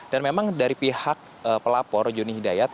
dan memang dari pihak pelapor jonny hidayat